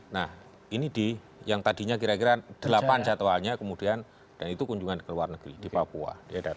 nah ini yang tadinya kira kira delapan jadwalnya kemudian dan itu kunjungan ke luar negeri di papua